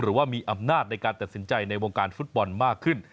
หรือว่ามีอำนาจในการตัดสินใจในวงการฟุตบอลมากขึ้น